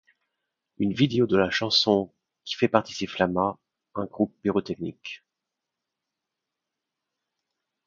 Une vidéo de la chanson ' qui fait participer Flamma, un groupe pyrotechnique.